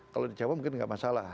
kalau di jawa mungkin nggak masalah